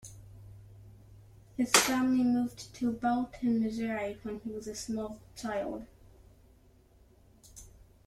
His family moved to Belton, Missouri, when he was a small child.